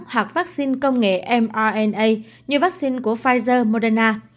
hoặc vaccine công nghệ mrna như vaccine của pfizer moderna